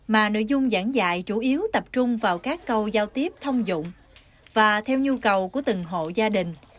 mà nội dung giảng dạy chủ yếu tập trung vào các câu giao tiếp thông dụng và theo nhu cầu của từng hộ gia đình